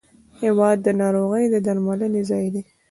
هېواد د ناروغ د درملنې ځای دی.